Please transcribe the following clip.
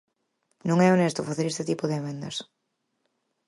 Non é honesto facer este tipo de emendas.